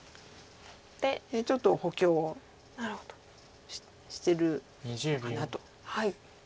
ちょっと補強をしてるかなと。